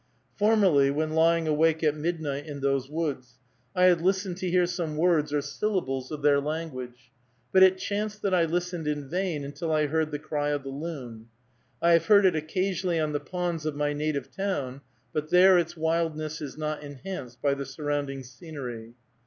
Formerly, when lying awake at midnight in those woods, I had listened to hear some words or syllables of their language, but it chanced that I listened in vain until I heard the cry of the loon. I have heard it occasionally on the ponds of my native town, but there its wildness is not enhanced by the surrounding scenery.